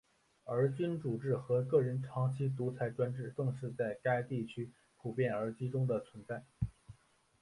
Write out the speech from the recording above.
而君主制和个人长期独裁专制更是在该地区普遍而集中地存在。